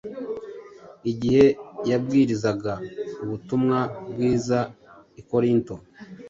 Igihe yabwirizaga ubutumwa bwiza i Korinto,